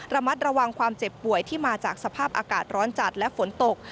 ระมัดระวังความเจ็บป่วยที่มาจากสภาพอากาศร้อนจัดและฝนตก